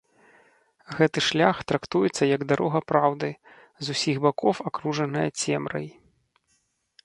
Гэты шлях трактуецца як дарога праўды, з усіх бакоў акружаная цемрай.